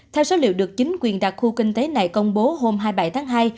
theo số liệu được chính quyền đặc khu kinh tế này công bố hôm hai mươi bảy tháng hai